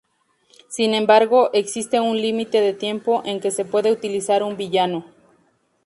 Sin embargo, existe un límite de tiempo en que se puede utilizar un villano.